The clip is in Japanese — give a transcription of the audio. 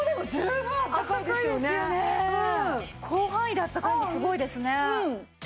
広範囲であったかいのすごいですね。